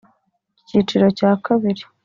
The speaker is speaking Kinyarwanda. Icyiciro cya Kabiri